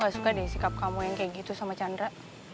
sikap kamu yang kayak gitu sama chandra